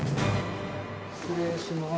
失礼します。